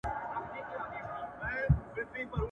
• د ملا زوى نه کوني کېږي، چي کوني سي بيا ئې ثاني نه وي.